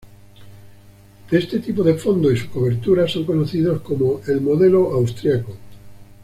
Este tipo de fondo y su cobertura son conocidos como el "modelo austriaco".